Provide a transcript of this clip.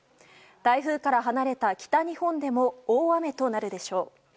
台風から離れた北日本でも大雨となるでしょう。